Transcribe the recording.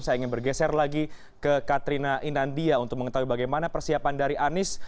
saya ingin bergeser lagi ke katrina inandia untuk mengetahui bagaimana persiapan dari anies